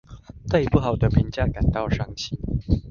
對不好的評價感到傷心